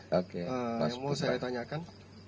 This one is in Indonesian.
yang mau saya tanyakan